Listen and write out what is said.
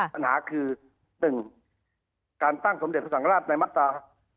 ปัญหาคือ๑การตั้งสมเด็จพระสังราชในมาตรา